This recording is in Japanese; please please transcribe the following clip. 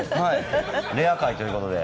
レア回ということで。